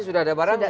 sudah ada barangnya